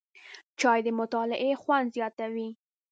چای د مطالعې خوند زیاتوي